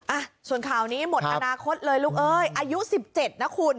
อ่ะส่วนข่าวนี้หมดอนาคตเลยลูกเอ้ยอายุสิบเจ็ดนะคุณ